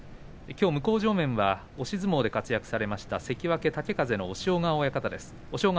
きょうの向正面は押し相撲で活躍されました関脇豪風の押尾川親方です。